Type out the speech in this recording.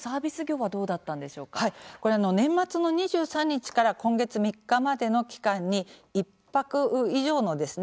はいこれあの年末の２３日から今月３日までの期間に１泊以上のですね